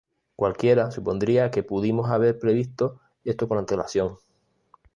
Cualquiera supondría que pudimos haber previsto esto con antelación.